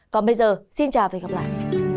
còn bây giờ xin chào và hẹn gặp lại